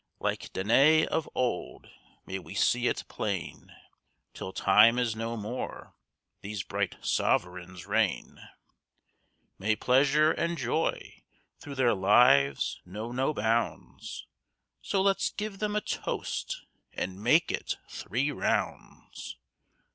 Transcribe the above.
Like Danae of old may we see it plain, 'Till time is no more, these bright sovereigns rain; May pleasure and joy through their lives know no bounds, So let's give them a toast, and make it three rounds.